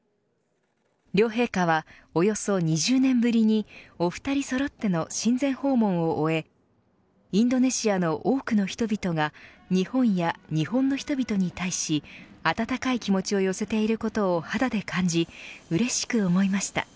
両陛下は、およそ２０年ぶりにお二人そろっての親善訪問を終えインドネシアの多くの人々が日本や日本の人々に対し温かい気持ちを寄せていることを肌で感じうれしく思いました。